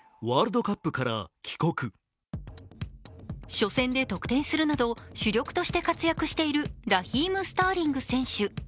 初戦で得点するなど主力として活躍しているラヒーム・スターリング選手。